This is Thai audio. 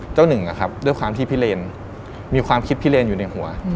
หนึ่งด้วยความที่พิเรนมีความคิดพิเลนอยู่ในหัว